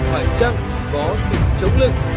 phải chăng có sự chống lưng